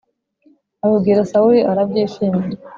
babibwira sawuli arabyishimira